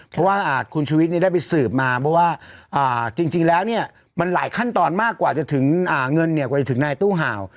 เพราะว่าคุณชุวิตได้ไปสืบมาเพราะว่าจริงแล้วเนี่ยมันหลายขั้นตอนมากกว่าจะถึงเงินเนี่ยกว่าจะถึงนายตู้ห่าว